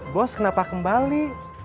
bos kenapa kembali